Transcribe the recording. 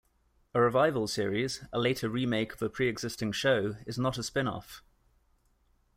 A revival series, a later remake of a preexisting show, is not a spin-off.